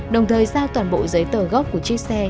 đồng thời giao toàn bộ giấy tờ gốc của chiếc xe